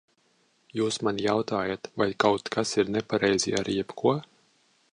Jūs man jautājat, vai kaut kas ir nepareizi ar jebko?